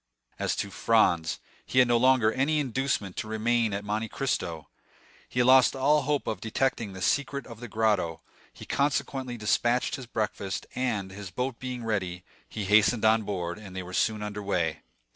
As to Franz, he had no longer any inducement to remain at Monte Cristo. He had lost all hope of detecting the secret of the grotto; he consequently despatched his breakfast, and, his boat being ready, he hastened on board, and they were soon under way.